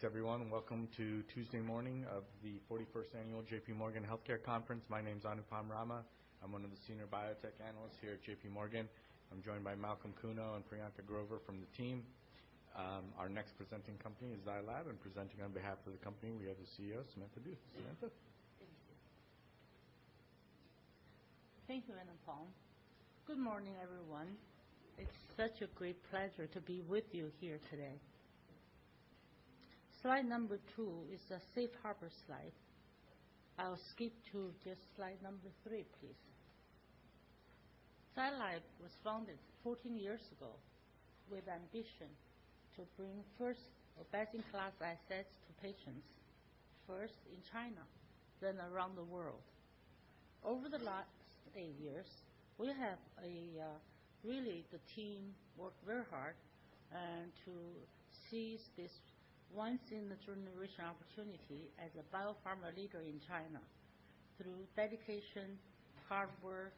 Thanks, everyone. Welcome to Tuesday morning of the 41st annual JPMorgan Healthcare Conference. My name's Anupam Rama. I'm one of the senior biotech analysts here at JPMorgan. I'm joined by Malcolm Kuno and Priyanka Grover from the team. Our next presenting company is Zai Lab, and presenting on behalf of the company, we have the CEO, Samantha Du. Samantha? Thank you. Thank you, Anupam. Good morning, everyone. It's such a great pleasure to be with you here today. Slide number two is the safe harbor slide. I'll skip to just slide number three, please. Zai Lab was founded 14 years ago with ambition to bring first-of-best-in-class assets to patients, first in China, then around the world. Over the last eight years, we really the team worked very hard to seize this once in a generation opportunity as a biopharma leader in China through dedication, hard work,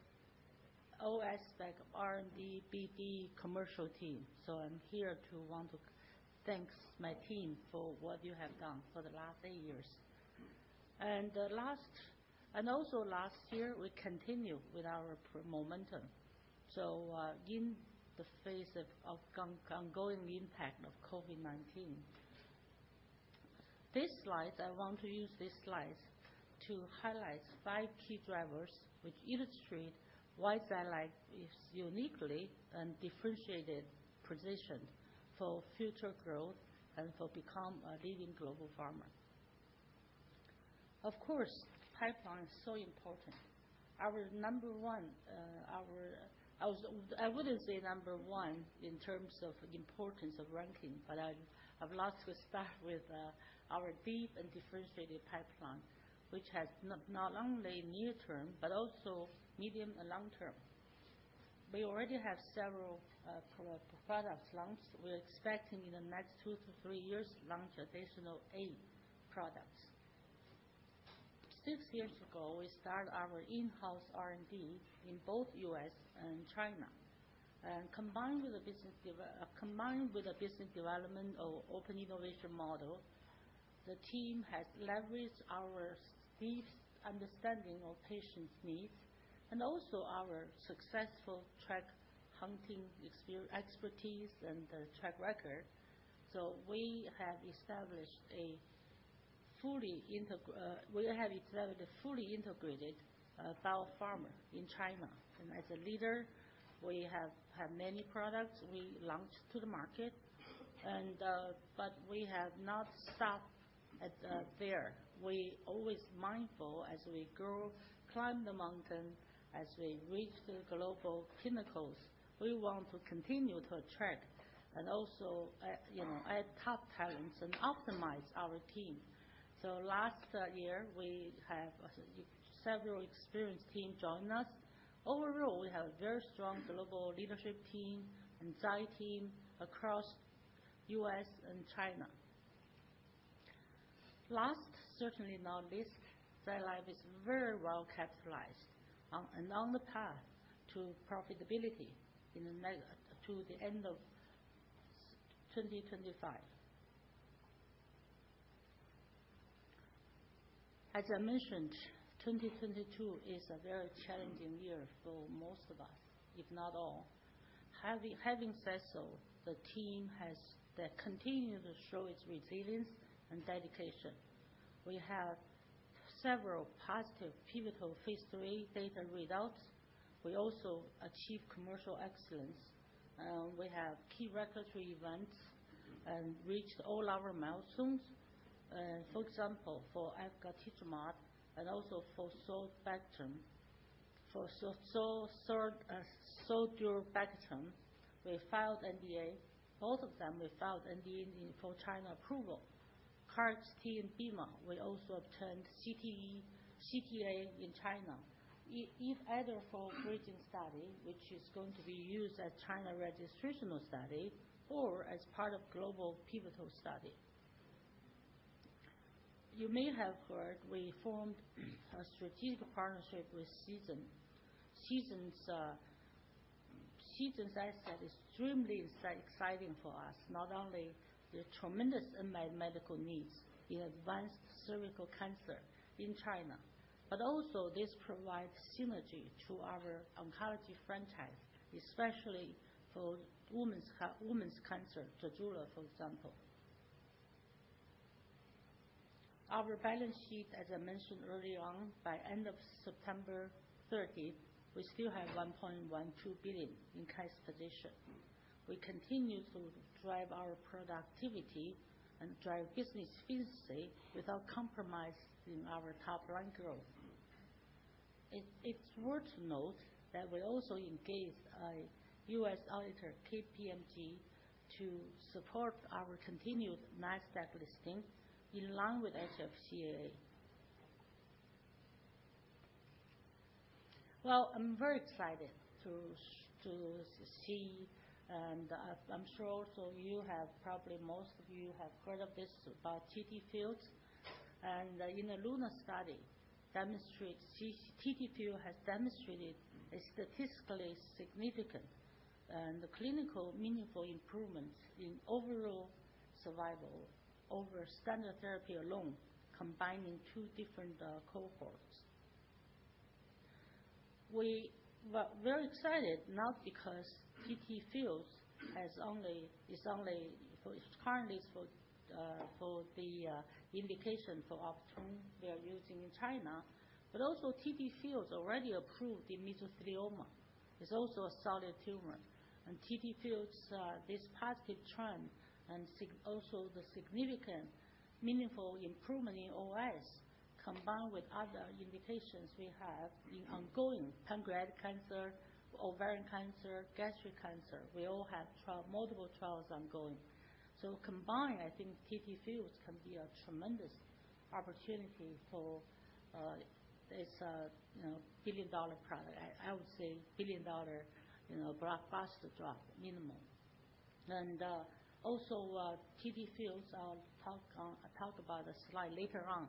OS like R&D, BD, commercial team. I'm here to want to thanks my team for what you have done for the last eight years. Also last year, we continued with our pr-momentum in the face of ongoing impact of COVID-19. This slide, I want to use this slide to highlight five key drivers which illustrate why Zai Lab is uniquely and differentiated positioned for future growth and for become a leading global pharma. Of course, pipeline is so important. Our number one, I would, I wouldn't say number one in terms of importance of ranking, but I've lost respect with our deep and differentiated pipeline, which has not only near term, but also medium and long term. We already have several pro-products launched. We're expecting in the next two to three years launch additional eight products. Six years ago, we start our in-house R&D in both U.S. and China. Combined with the business development of open innovation model, the team has leveraged our deep understanding of patients' needs and also our successful track hunting expertise and the track record. We have established a fully integrated biopharma in China. As a leader, we have had many products we launched to the market. We have not stopped at there. We always mindful as we grow, climb the mountain, as we reach the global pinnacles, we want to continue to attract and also, you know, add top talents and optimize our team. Last year, we have several experienced team join us. Overall, we have very strong global leadership team and Zai team across U.S. and China. Last, certainly not least, Zai Lab is very well capitalized and on the path to profitability to the end of 2025. As I mentioned, 2022 is a very challenging year for most of us, if not all. Having said so, the team has continued to show its resilience and dedication. We have several positive pivotal Phase 3 data readouts. We also achieved commercial excellence. We have key regulatory events and reached all our milestones. For example, for efgartigimod and also for zolbetuximab. For zolbetuximab, we filed NDA. Both of them, we filed NDA for China approval. CAR-T and BCMA, we also obtained CTA in China. Either for bridging study, which is going to be used as China registrational study or as part of global pivotal study. You may have heard we formed a strategic partnership with Seagen. Seagen's asset extremely exciting for us, not only the tremendous unmet medical needs in advanced cervical cancer in China, but also this provides synergy to our oncology franchise, especially for women's cancer, ZEJULA, for example. Our balance sheet, as I mentioned early on, by end of September 30, we still have $1.12 billion in cash position. We continue to drive our productivity and drive business efficiency without compromise in our top line growth. It's worth to note that we also engaged a U.S. auditor, KPMG, to support our continued Nasdaq listing along with HFCAA. Well, I'm very excited to see, and I'm sure also you have, probably most of you have heard of this about TTFields. In the LUNAR study demonstrate TTFields has demonstrated a statistically significant and clinical meaningful improvements in overall survival over standard therapy alone, combining two different cohorts. We were very excited not because TTFields is currently for for the indication for Optune we are using in China, but also TTFields already approved in mesothelioma. It's also a solid tumor. TTFields, this positive trend also the significant meaningful improvement in OS combined with other indications we have in ongoing pancreatic cancer, ovarian cancer, gastric cancer. We all have multiple trials ongoing. Combined, I think TTFields can be a tremendous opportunity for, it's a, you know, billion-dollar product. I would say billion-dollar, you know, blockbuster drug minimum. Also, TTFields, I'll talk about the slide later on.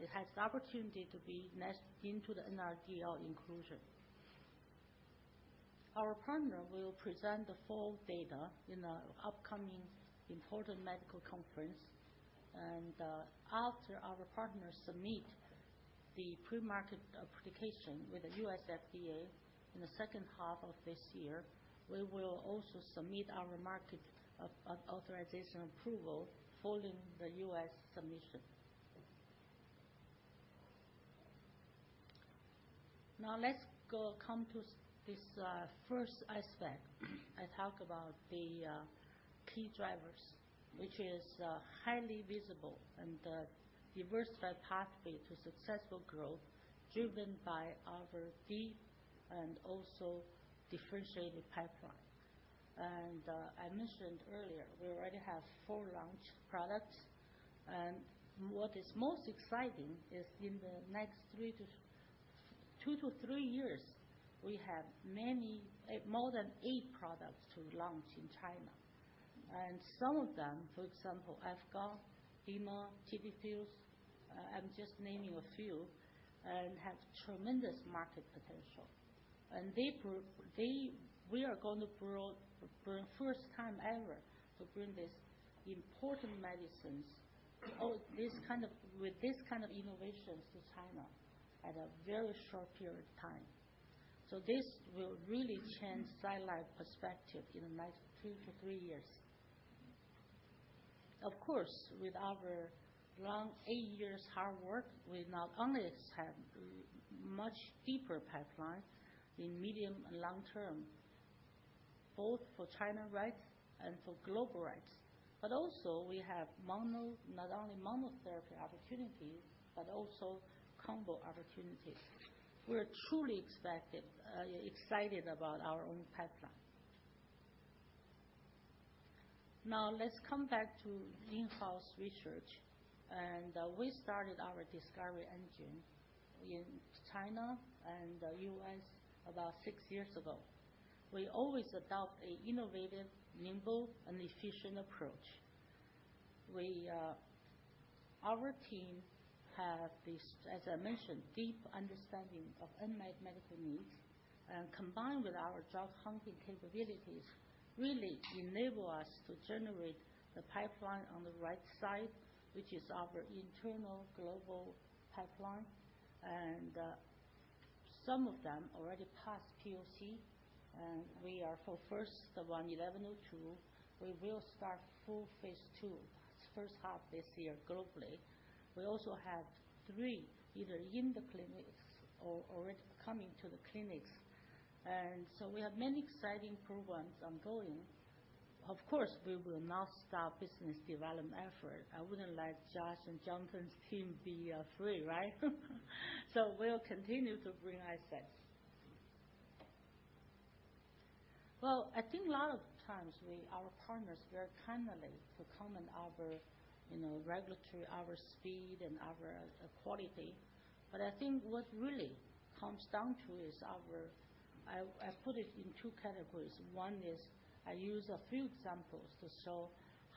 It has the opportunity to be nested into the NRDL inclusion. Our partner will present the full data in a upcoming important medical conference. After our partners submit the pre-market application with the U.S. FDA in the second half of this year, we will also submit our market authorization approval following the U.S. submission. Come to this first aspect. I talk about the key drivers, which is highly visible and diversified pathway to successful growth, driven by our deep and also differentiated pipeline. I mentioned earlier, we already have four launch products. What is most exciting is in the next two to three years, we have many, more than eight products to launch in China. Some of them, for example, adagrasib, Bemarituzumab, TTFields, I'm just naming a few, and have tremendous market potential. They we are gonna bring for first time ever to bring this important medicines or this kind of innovations to China at a very short period of time. This will really change Zai Lab perspective in the next two to three years. With our long eight years hard work, we not only have much deeper pipeline in medium and long term, both for China rights and for global rights, but also we have not only monotherapy opportunities, but also combo opportunities. We are truly expected, excited about our own pipeline. Now let's come back to in-house research. We started our discovery engine in China and U.S. about six years ago. We always adopt a innovative, nimble, and efficient approach. We, our team have this, as I mentioned, deep understanding of unmet medical needs. Combined with our drug hunting capabilities, really enable us to generate the pipeline on the right side, which is our internal global pipeline. Some of them already passed POC, and we are for first, the ZL-1102, we will start full Phase 2 first half this year globally. We also have three either in the clinics or already coming to the clinics. We have many exciting programs ongoing. Of course, we will not stop business development effort. I wouldn't let Josh and Jonathan's team be free, right? We'll continue to bring assets. Well, I think a lot of times our partners very kindly to comment our, you know, regulatory, our speed and our quality. I think what really comes down to is our. I put it in two categories. One is I use a few examples to show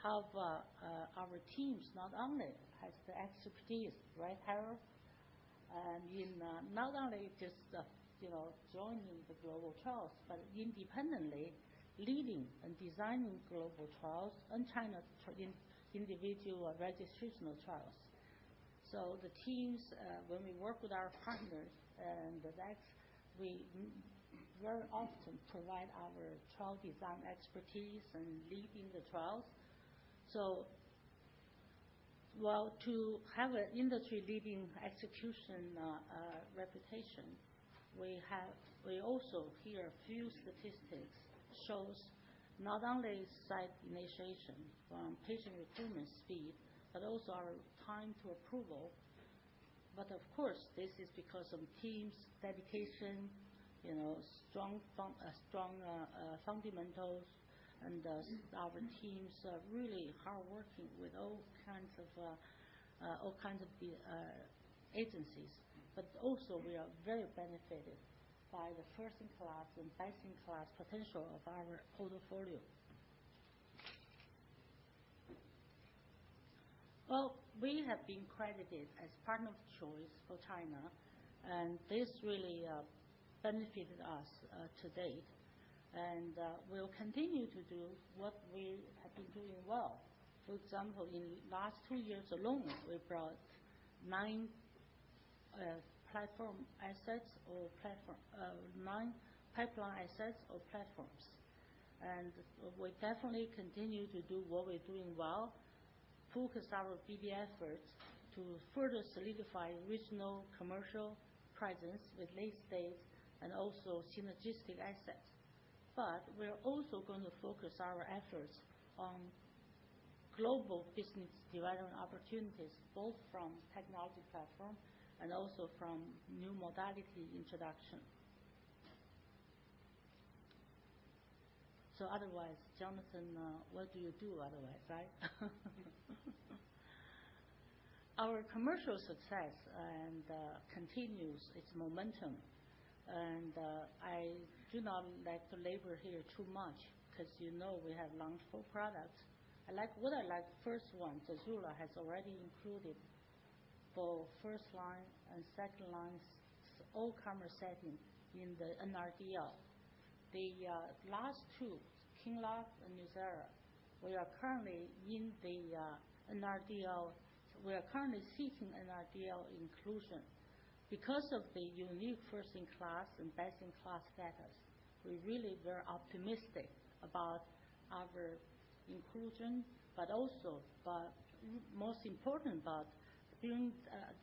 how our teams not only has the expertise, right, Harald? In not only just, you know, joining the global trials, but independently leading and designing global trials and China's individual registrational trials. The teams, when we work with our partners and the like, we very often provide our trial design expertise in leading the trials. Well, to have an industry-leading execution reputation, we also hear few statistics shows not only site initiation, patient recruitment speed, but also our time to approval. Of course, this is because of team's dedication, you know, strong fundamentals, and our teams are really hardworking with all kinds of agencies. Also, we are very benefited by the first-in-class and best-in-class potential of our portfolio. We have been credited as partner of choice for China, and this really benefited us to date. We'll continue to do what we have been doing well. For example, in the last two years alone, we brought nine platform assets or nine pipeline assets or platforms. We definitely continue to do what we're doing well, focus our BD efforts to further solidify regional commercial presence with late stage and also synergistic assets. We're also gonna focus our efforts on global business development opportunities, both from technology platform and also from new modality introduction. Otherwise, Jonathan, what do you do otherwise, right? Our commercial success continues its momentum. I do not like to labor here too much 'cause you know we have launched four products. What I like first one, ZEJULA, has already included both first line and second lines, all comer setting in the NRDL. The last two, QINLOCK and NUZYRA, we are currently seeking NRDL inclusion. Because of the unique first-in-class and best-in-class status, we're really very optimistic about our inclusion, but also, but most important, but bringing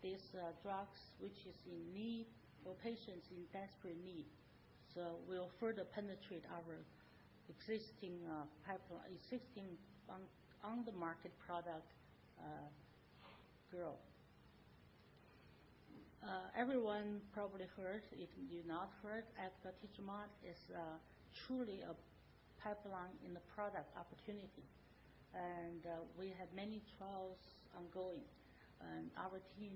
these drugs which is in need for patients in desperate need. We'll further penetrate our existing pipeline, existing on the market product growth. Everyone probably heard, if you've not heard, efgartigimod is truly a pipeline in the product opportunity. We have many trials ongoing. Our team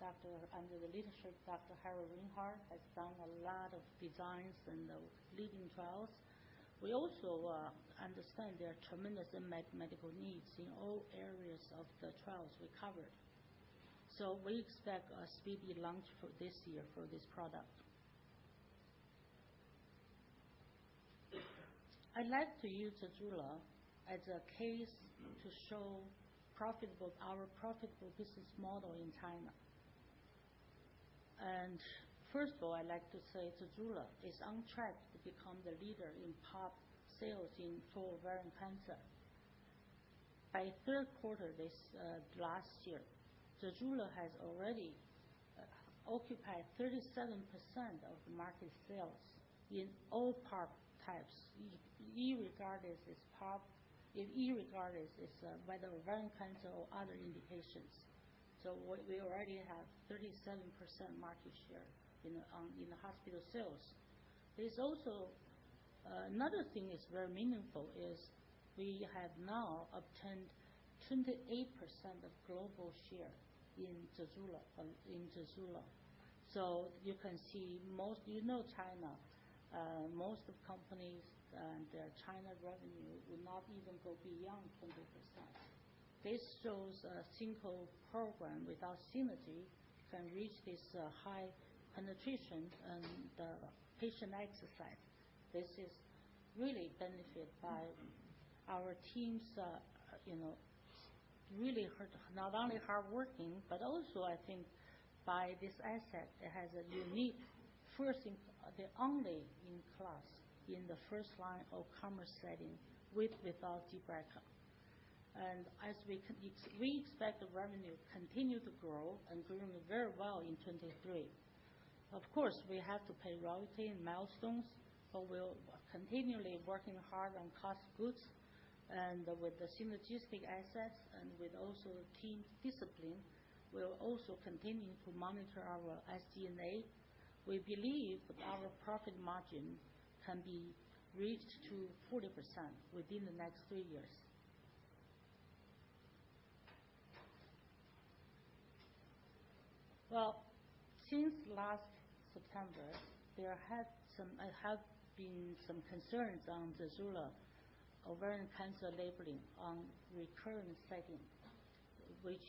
doctor under the leadership of Dr. Harald Reinhart, has done a lot of designs in the leading trials. We also understand there are tremendous medical needs in all areas of the trials we covered. We expect a speedy launch for this year for this product. I'd like to use ZEJULA as a case to show our profitable business model in China. First of all, I'd like to say ZEJULA is on track to become the leader in PARP sales in full ovarian cancer. By 3rd quarter, this last year, ZEJULA has already occupied 37% of the market sales in all PARP types, irregardless it's whether ovarian cancer or other indications. We already have 37% market share in the hospital sales. There's also another thing is very meaningful is we have now obtained 28% of global share in ZEJULA. You can see most. You know China, most companies and their China revenue will not even go beyond 20%. This shows a simple program without synergy can reach this high penetration and patient exercise. This is really benefit by our teams, you know, really hard, not only hardworking, but also I think by this asset, it has a unique the only in-class in the first line of commerce setting with or without gBRCA. As we can we expect the revenue continue to grow and doing very well in 2023. Of course, we have to pay royalty and milestones, we're continually working hard on cost goods and with the synergistic assets and with also team discipline. We'll also continue to monitor our SG&A. We believe our profit margin can be reached to 40% within the next three years. Well, since last September, there have been some concerns on ZEJULA ovarian cancer labeling on recurrent setting, which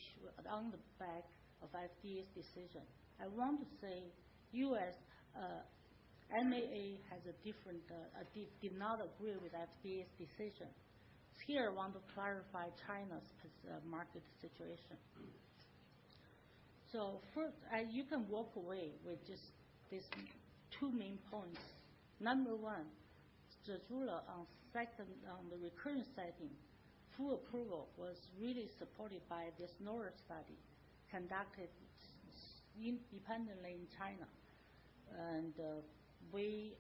on the back of FDA's decision. I want to say U.S., EMA has a different, did not agree with FDA's decision. Here, I want to clarify China's market situation. First, you can walk away with just these two main points. Number one, ZEJULA on second, on the recurrent setting, full approval was really supported by this NORA study conducted independently in China. We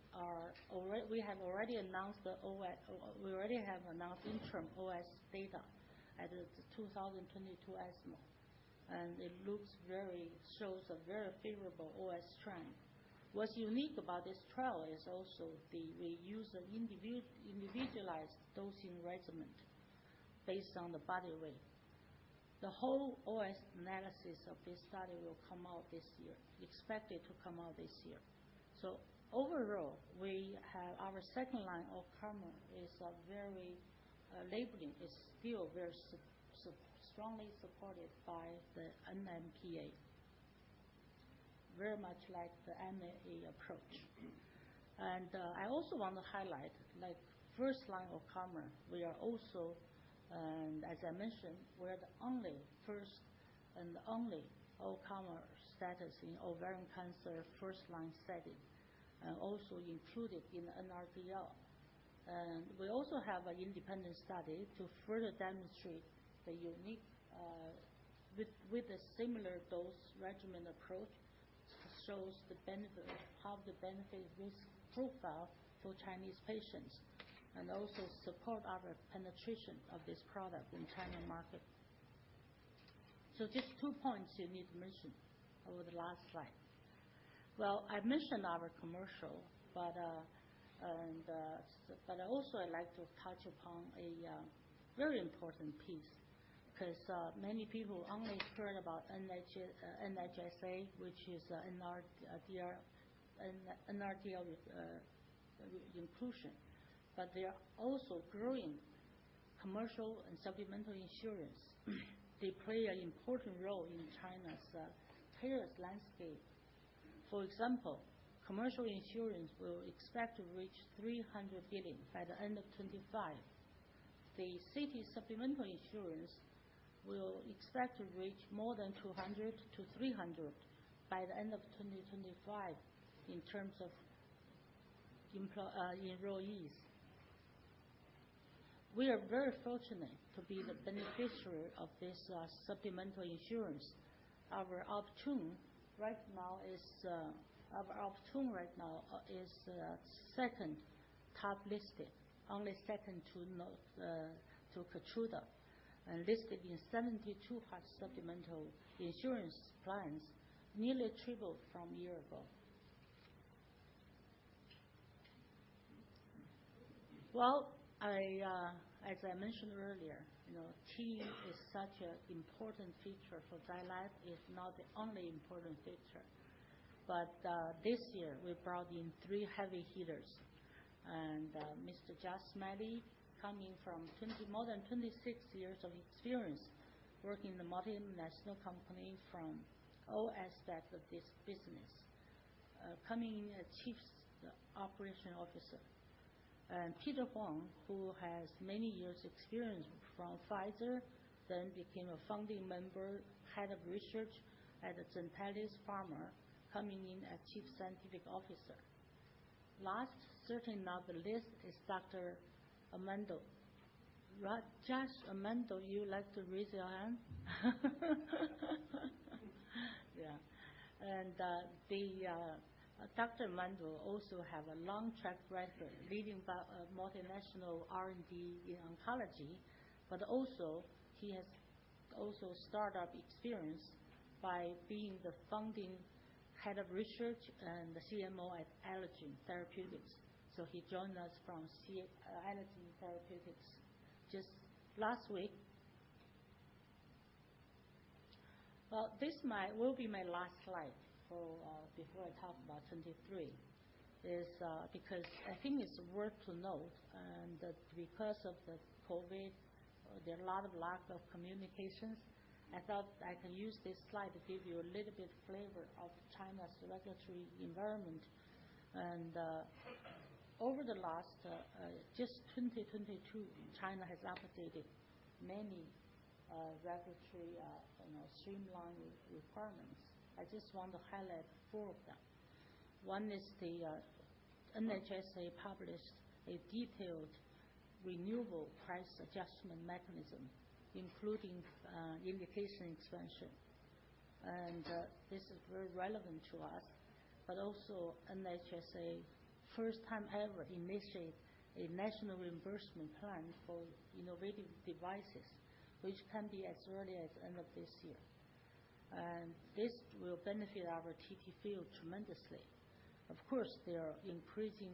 have already announced the OS. We already have announced interim OS data at the 2022 ESMO, and it looks very, shows a very favorable OS trend. What's unique about this trial is also the use of individualized dosing regimen based on the body weight. The whole OS analysis of this study will come out this year, expected to come out this year. Overall, we have our second line of ZEJULA is a very, labeling is still very strongly supported by the NMPA. Very much like the NHSA approach. I also want to highlight, like first line of ZEJULA, we are also, as I mentioned, we're the only first and the only OS ZEJULA status in ovarian cancer first-line setting, and also included in the NRDL. We also have an independent study to further demonstrate the unique, with the similar dose regimen approach, shows the benefit, have the benefit risk profile for Chinese patients, and also support our penetration of this product in China market. Just two points you need to mention over the last slide. Well, I mentioned our commercial, but, and, but I also I'd like to touch upon a very important piece, 'cause many people only heard about NHSA, which is NRDL with inclusion. They are also growing commercial and supplemental insurance. They play an important role in China's payers landscape. For example, commercial insurance will expect to reach 300 billion by the end of 2025. The city supplemental insurance will expect to reach more than 200-300 by the end of 2025 in terms of enrollees. We are very fortunate to be the beneficiary of this supplemental insurance. Our Optune right now is second top listed, only second to Keytruda, and listed in 72 supplemental insurance plans, nearly tripled from a year ago. I, as I mentioned earlier, you know, team is such an important feature for Zai Lab, is not the only important feature. This year we brought in three heavy hitters. Mr. Josh Smiley, coming from more than 26 years of experience, working in the multinational company from all aspects of this business. Coming in as Chief Operating Officer. Peter Huang, who has many years experience from Pfizer, then became a founding member, head of research at the Gentalis Pharma, coming in as Chief Scientific Officer. Certainly not the least, is Dr. Amado. Josh, Amado, you like to raise your hand? Yeah. The Dr. Amado also have a long track record leading multinational R&D in oncology, he has also startup experience by being the founding head of research and the CMO at Allogene Therapeutics. He joined us from Allogene Therapeutics just last week. Well, this will be my last slide for before I talk about 2023. Is, because I think it's worth to note, and that because of the COVID, there are a lot of lack of communications. I thought I can use this slide to give you a little bit flavor of China's regulatory environment. Over the last, just 2022, China has updated many regulatory, you know, streamline requirements. I just want to highlight four of them. One is the NHSA published a detailed renewable price adjustment mechanism, including indication expansion. This is very relevant to us. But also NHSA first time ever initiate a national reimbursement plan for innovative devices, which can be as early as end of this year. This will benefit our TTFields tremendously. Of course, there's increasing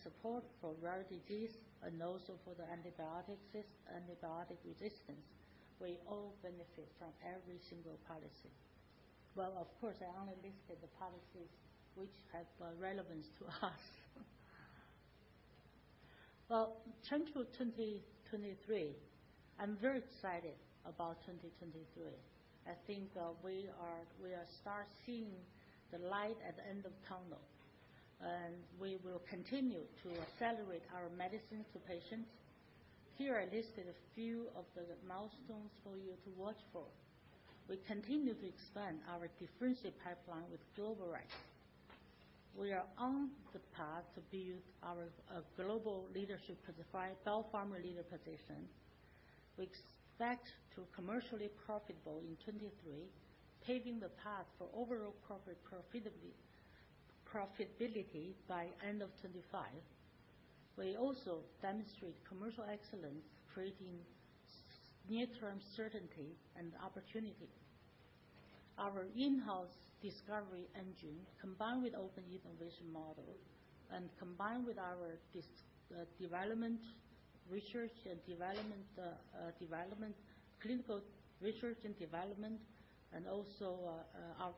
support for rare disease and also for the antibiotic resistance. We all benefit from every single policy. Well, of course, I only listed the policies which have relevance to us. Well, turn to 2023. I'm very excited about 2023. I think, we are start seeing the light at the end of tunnel. We will continue to accelerate our medicine to patients. Here I listed a few of the milestones for you to watch for. We continue to expand our differentiate pipeline with global rights. We are on the path to build our global leadership biopharma leader position. We expect to commercially profitable in 2023, paving the path for overall profitability by end of 2025. We also demonstrate commercial excellence, creating near term certainty and opportunity. Our in-house discovery engine, combined with open innovation model and combined with our research and development, clinical research and development, and also our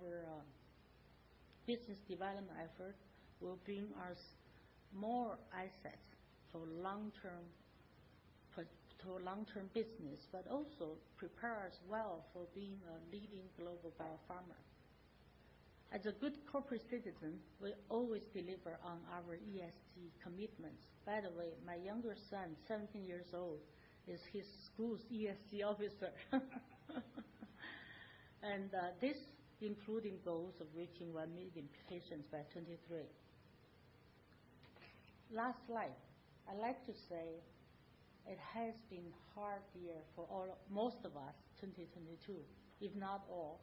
business development effort, will bring us more assets for long-term business. Also prepare us well for being a leading global biopharma. As a good corporate citizen, we always deliver on our ESG commitments. By the way, my younger son, 17 years old, is his school's ESG officer. This including goals of reaching 1 million patients by 2023. Last slide. I'd like to say it has been hard year for all... most of us, 2022, if not all.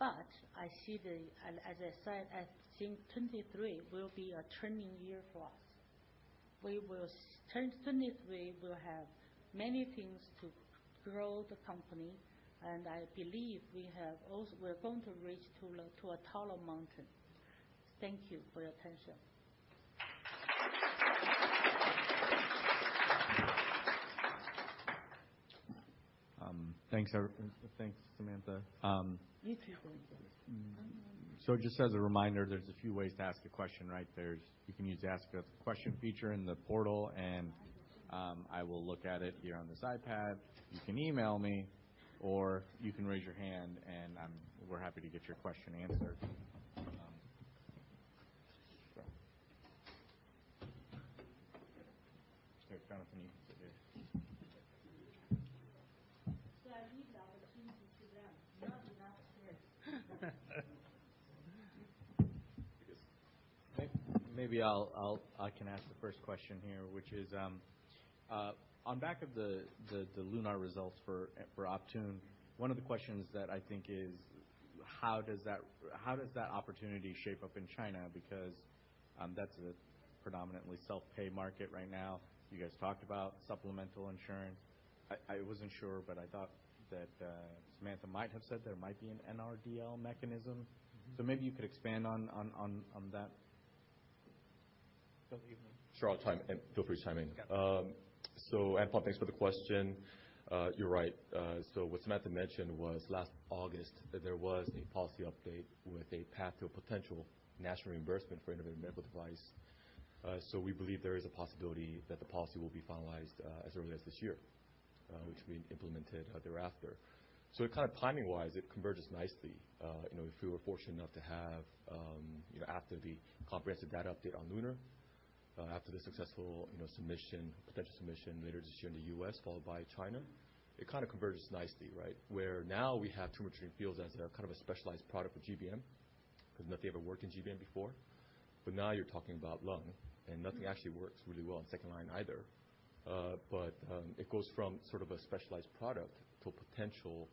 I see the as I said, I think 2023 will be a turning year for us. We will 2023 will have many things to grow the company, and I believe we're going to reach to a taller mountain. Thank you for your attention. Thanks, Samantha. You too. Just as a reminder, there's a few ways to ask a question, right? You can use the Ask Us a Question feature in the portal, and I will look at it here on this iPad. You can email me, or you can raise your hand and we're happy to get your question answered. Here, Jonathan, you can sit here. I read that. I came into them. No, do not scared. Maybe I can ask the first question here, which is on back of the LUNAR results for Optune, one of the questions that I think is how does that, how does that opportunity shape up in China? That's a predominantly self-pay market right now. You guys talked about supplemental insurance. I wasn't sure, but I thought that Samantha might have said there might be an NRDL mechanism. Mm-hmm. Maybe you could expand on that. So you- Sure. I'll chime in. Feel free to chime in. Yeah. Anupam, thanks for the question. You're right. What Samantha mentioned was last August that there was a policy update with a path to a potential national reimbursement for innovative medical device. We believe there is a possibility that the policy will be finalized as early as this year, which will be implemented thereafter. Kind of timing-wise, it converges nicely. You know, if we were fortunate enough to have, you know, after the comprehensive data update on LUNAR, after the successful, you know, submission, potential submission later this year in the U.S., followed by China, it kind of converges nicely, right? Where now we have Tumor Treating Fields as our kind of a specialized product for GBM, 'cause nothing ever worked in GBM before. Now you're talking about lung, and nothing actually works really well in second line either. It goes from sort of a specialized product to a potential,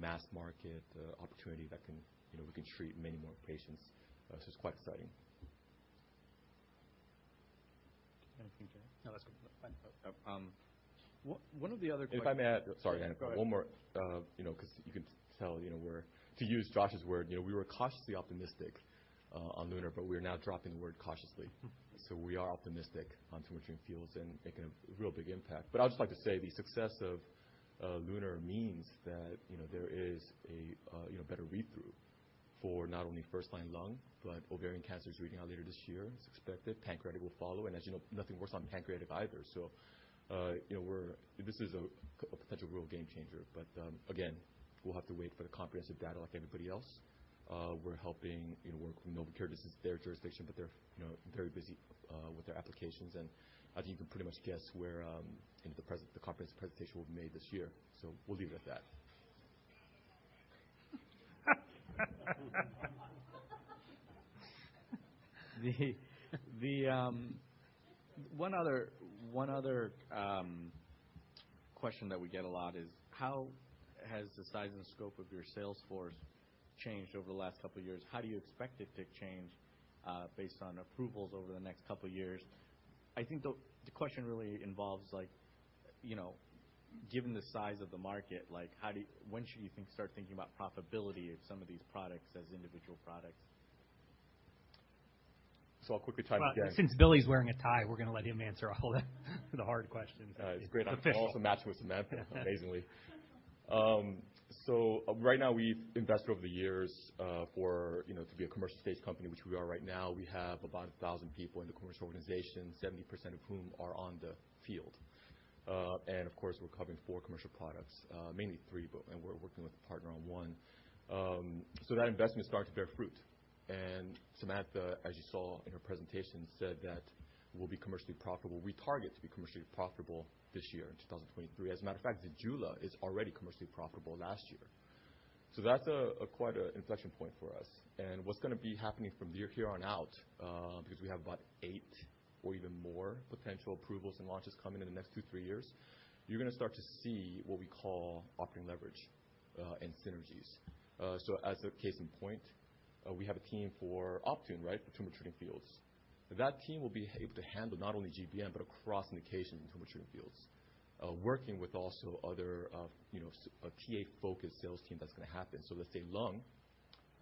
mass market, opportunity that can, you know, we can treat many more patients. It's quite exciting. Anything to add? No, that's good. If I may add. Sorry, Anupam. Go ahead. One more. You know, 'cause you could tell, you know, to use Josh's word, you know, we were cautiously optimistic on LUNAR. We are now dropping the word cautiously. Mm-hmm. We are optimistic on Tumor Treating Fields and making a real big impact. I'd just like to say the success of LUNAR means that, you know, there is a, you know, better read-through for not only first line lung, but ovarian cancer is reading out later this year. It's expected pancreatic will follow. As you know, nothing works on pancreatic either. This is a potential real game changer. Again, we'll have to wait for the comprehensive data like everybody else. We're helping, you know, work with Novocure. This is their jurisdiction, but they're, you know, very busy with their applications. I think you can pretty much guess where, you know, the comprehensive presentation will be made this year. We'll leave it at that. The one other question that we get a lot is: How has the size and scope of your sales force changed over the last couple of years? How do you expect it to change based on approvals over the next couple of years? I think the question really involves, like, you know, given the size of the market, like, how do when should you start thinking about profitability of some of these products as individual products? I'll quickly chime in again. Since Billy's wearing a tie, we're gonna let him answer all the hard questions. It's great. It's official. I also match with Samantha, amazingly. Right now we've invested over the years, for, you know, to be a commercial stage company, which we are right now. We have about 1,000 people in the commercial organization, 70% of whom are on the field. Of course, we're covering four commercial products, mainly three, we're working with a partner on one. That investment is starting to bear fruit. Samantha, as you saw in her presentation, said that we'll be commercially profitable. We target to be commercially profitable this year in 2023. As a matter of fact, ZEJULA is already commercially profitable last year. That's a quite a inflection point for us. What's gonna be happening from here on out, because we have about eight or even more potential approvals and launches coming in the next 2-3 years, you're gonna start to see what we call operating leverage and synergy. So as a case in point, we have a team for Optune, right? For Tumor Treating Fields. That team will be able to handle not only GBM, but across indications in Tumor Treating Fields. Working with also other, you know, a TA-focused sales team that's gonna happen. Let's say lung,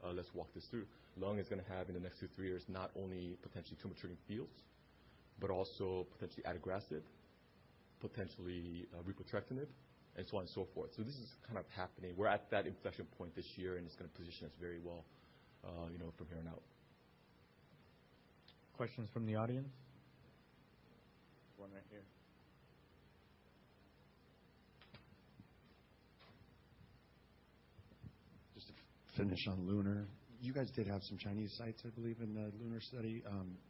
let's walk this through. Lung is gonna have in the next 2-3 years, not only potentially Tumor Treating Fields, but also potentially adagrasib, potentially repotrectinib, and so on and so forth. This is kind of happening. We're at that inflection point this year, and it's gonna position us very well, you know, from here on out. Questions from the audience? One right here. Just to finish on LUNAR. You guys did have some Chinese sites, I believe, in the LUNAR study.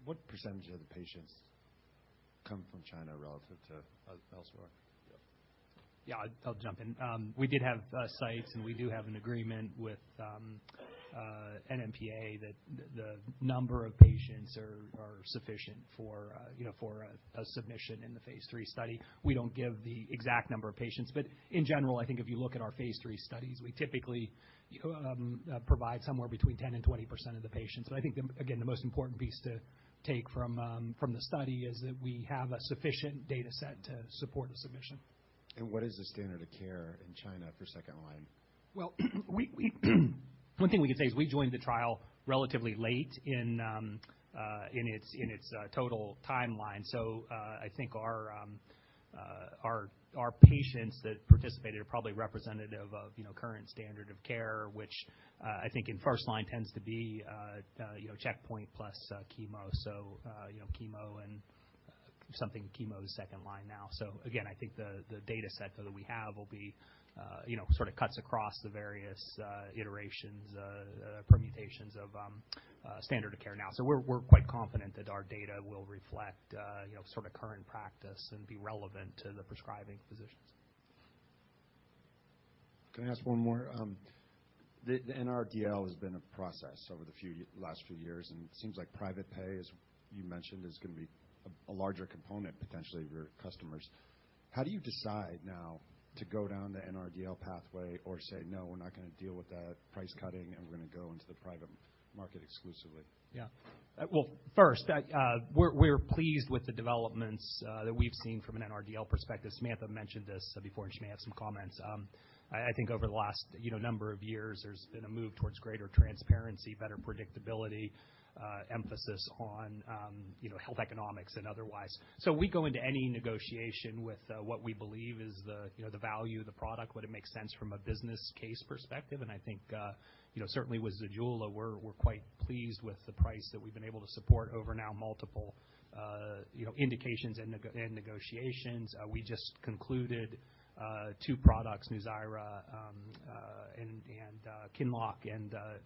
What percentage of the patients come from China relative to elsewhere? Yeah, I'll jump in. We did have sites, and we do have an agreement with NMPA that the number of patients are sufficient for, you know, for a submission in the Phase 3 study. We don't give the exact number of patients. In general, I think if you look at our Phase 3 studies, we typically provide somewhere between 10% and 20% of the patients. I think the, again, the most important piece to take from the study is that we have a sufficient data set to support the submission. What is the standard of care in China for second line? Well, one thing we can say is we joined the trial relatively late in its total timeline. I think our patients that participated are probably representative of, you know, current standard of care, which I think in first line tends to be, you know, checkpoint plus chemo. You know, chemo and something chemo second line now. Again, I think the data set though that we have will be, you know, sort of cuts across the various iterations, permutations of standard of care now. We're quite confident that our data will reflect, you know, sort of current practice and be relevant to the prescribing physicians. Can I ask one more? The NRDL has been a process over the last few years, and it seems like private pay, as you mentioned, is gonna be a larger component potentially of your customers. How do you decide now to go down the NRDL pathway or say, "No, we're not gonna deal with that price cutting, and we're gonna go into the private market exclusively? Yeah. Well, first, I, we're pleased with the developments that we've seen from an NRDL perspective. Samantha mentioned this before she made some comments. I think over the last, you know, number of years, there's been a move towards greater transparency, better predictability, emphasis on, you know, health economics and otherwise. We go into any negotiation with what we believe is the, you know, the value of the product, would it makes sense from a business case perspective. I think, you know, certainly with ZEJULA, we're quite pleased with the price that we've been able to support over now multiple, you know, indications and negotiations. We just concluded two products, NUZYRA, and QINLOCK.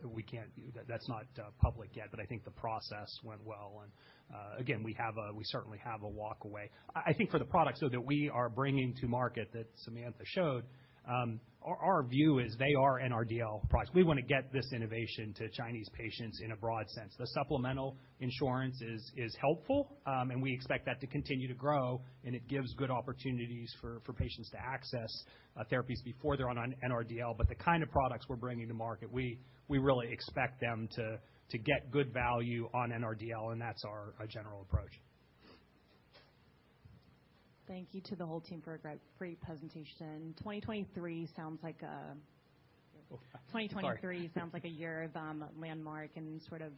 We can't. That's not public yet, but I think the process went well. Again, we certainly have a walk away. I think for the products, though, that we are bringing to market that Samantha showed, our view is they are NRDL products. We wanna get this innovation to Chinese patients in a broad sense. The supplemental insurance is helpful, and we expect that to continue to grow, and it gives good opportunities for patients to access therapies before they're on NRDL. The kind of products we're bringing to market, we really expect them to get good value on NRDL, and that's our general approach. Thank you to the whole team for a great presentation. 2023 sounds like. Oh, sorry. 2023 sounds like a year of landmark and sort of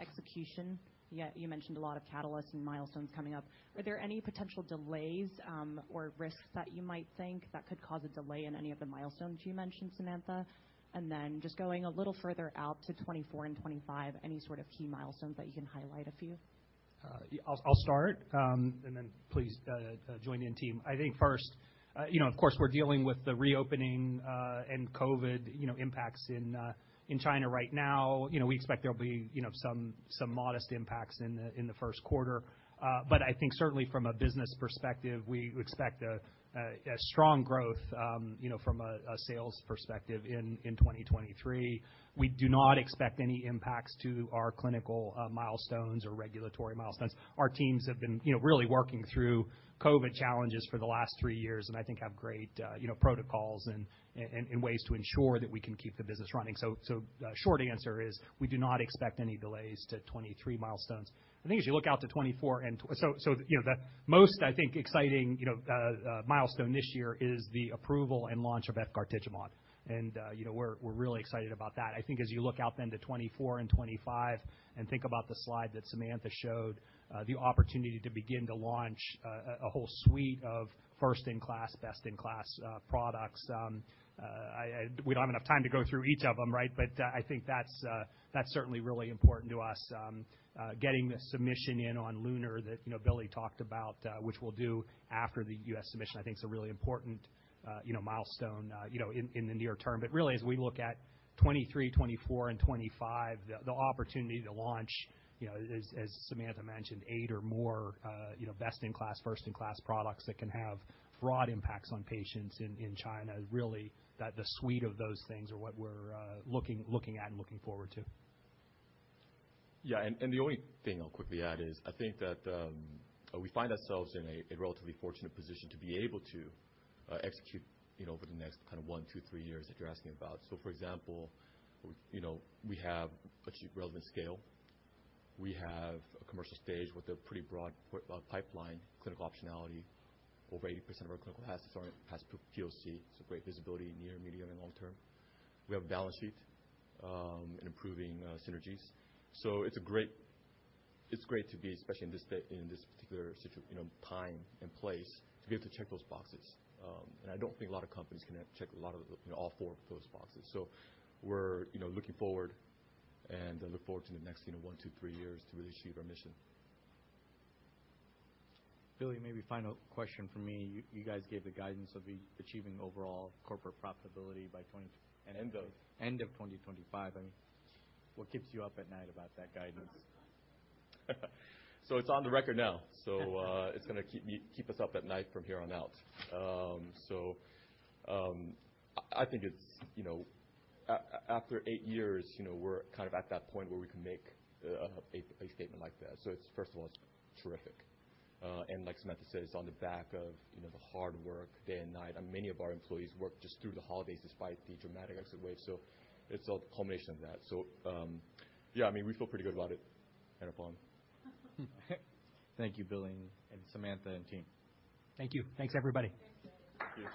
execution. You mentioned a lot of catalysts and milestones coming up. Are there any potential delays or risks that you might think that could cause a delay in any of the milestones you mentioned, Samantha? Just going a little further out to 2024 and 2025, any sort of key milestones that you can highlight a few? Yeah, I'll start, then please join in team. I think first, you know, of course, we're dealing with the reopening and COVID, you know, impacts in China right now. You know, we expect there'll be, you know, some modest impacts in the first quarter. I think certainly from a business perspective, we expect a strong growth, you know, from a sales perspective in 2023. We do not expect any impacts to our clinical milestones or regulatory milestones. Our teams have been, you know, really working through COVID challenges for the last three years, and I think have great, you know, protocols and ways to ensure that we can keep the business running. The short answer is we do not expect any delays to 2023 milestones. I think as you look out to 2024 and, you know, the most, I think, exciting, you know, milestone this year is the approval and launch of Efgartigimod. You know, we're really excited about that. I think as you look out then to 2024 and 2025 and think about the slide that Samantha showed, the opportunity to begin to launch a whole suite of first in class, best in class products. We don't have enough time to go through each of them, right? I think that's certainly really important to us, getting the submission in on LUNAR that, you know, Billy talked about, which we'll do after the U.S. submission, I think is a really important, you know, milestone, you know, in the near term. Really, as we look at 2023, 2024, and 2025, the opportunity to launch, you know, as Samantha mentioned, eight or more, you know, best in class, first in class products that can have broad impacts on patients in China is really the suite of those things are what we're, looking at and looking forward to. Yeah. The only thing I'll quickly add is I think that, we find ourselves in a relatively fortunate position to be able to execute, you know, over the next kind of one, two, three years that you're asking about. For example, you know, we have achieved relevant scale. We have a commercial stage with a pretty broad pipeline clinical optionality. Over 80% of our clinical assets has proof of POC, so great visibility near, medium, and long term. We have a balance sheet and improving synergies. It's great to be, especially in this particular time and place, to be able to check those boxes. I don't think a lot of companies can check a lot of the, you know, all four of those boxes. We're, you know, looking forward and look forward to the next, you know, one, two, three years to really achieve our mission. Billy, maybe final question from me. You guys gave the guidance of achieving overall corporate profitability by twenty-. End of. End of 2025. I mean, what keeps you up at night about that guidance? So it's on the record now. It's gonna keep me, keep us up at night from here on out. I think it's, you know. After eight years, you know, we're kind of at that point where we can make a statement like that. It's, first of all, it's terrific. Like Samantha said, it's on the back of, you know, the hard work day and night. Many of our employees work just through the holidays despite the dramatic exit wave. It's all the culmination of that. Yeah, I mean, we feel pretty good about it, Anupam. Thank you, Billy and Samantha and team. Thank you. Thanks, everybody. Thank you.